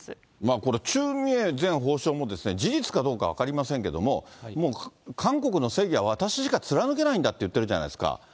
これ、チュ・ミエ前法相も、事実かどうか分かりませんけれども、もう韓国の正義は私しか貫けないんだと言ってるじゃないですか。